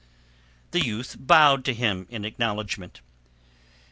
The youth bowed to him in acknowledgment.